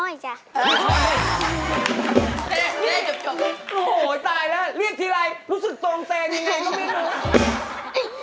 โอ้โฮตายแล้วเรียกทีไรรู้สึกตรงเตรียมอย่างนี้